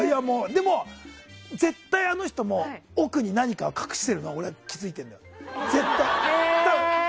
でも、絶対あの人も奥に何かを隠しているのは俺、気づいてるのよ。